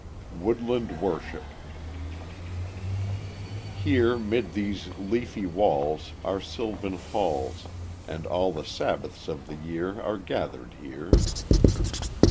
Woodland Worship Here 'mid these leafy walls Are sylvan halls, And all the Sabbaths of the year Are gathered here.